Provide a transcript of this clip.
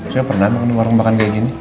saya pernah makan warung makan kayak gini